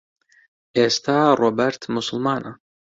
ئێستا ڕۆبەرت موسڵمانە.